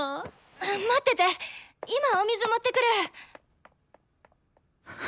待ってて今お水持ってくる！